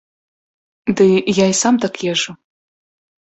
Ды, я і сам так езджу.